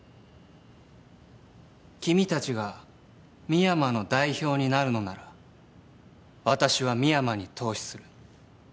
君たちが深山の代表になるのなら私は深山に投資する。